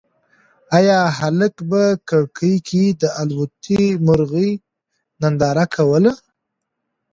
ایا هلک په کړکۍ کې د الوتی مرغۍ ننداره کوله؟